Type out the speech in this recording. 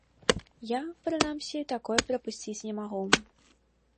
Я, прынамсі, такое прапусціць не магу.